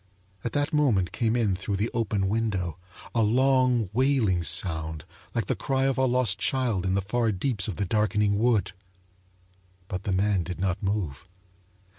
At that moment came in through the open window a long, wailing sound like the cry of a lost child in the far deeps of the darkening wood! But the man did not move.